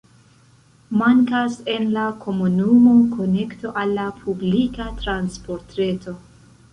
Mankas en la komunumo konekto al la publika transportreto.